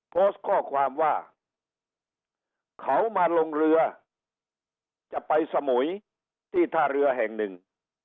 โพสต์ข้อความว่าเขามาลงเรือจะไปสมุยที่ท่าเรือแห่งหนึ่ง